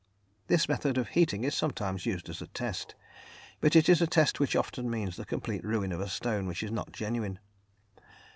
This method of heating is sometimes used as a test, but it is a test which often means the complete ruin of a stone which is not genuine.